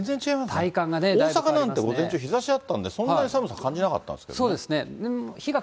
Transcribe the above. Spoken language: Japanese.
体感が大阪なんて、午前中、日ざしあったんで、そんなに寒さ感じなかったんですが。